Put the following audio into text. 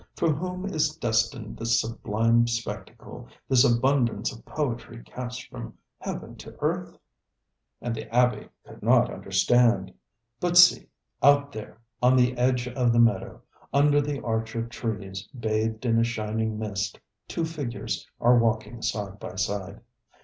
For whom is destined this sublime spectacle, this abundance of poetry cast from heaven to earth? ŌĆØ And the abbe could not understand. But see, out there, on the edge of the meadow, under the arch of trees bathed in a shining mist, two figures are walking side by side.